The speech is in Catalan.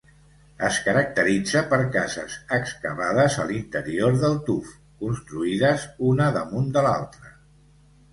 Es caracteritza per cases excavades a l'interior del tuf, construïdes una damunt de l'altra.